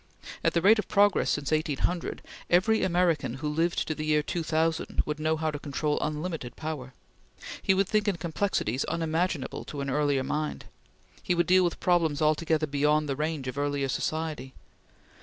At the rate of progress since 1800, every American who lived into the year 2000 would know how to control unlimited power. He would think in complexities unimaginable to an earlier mind. He would deal with problems altogether beyond the range of earlier society.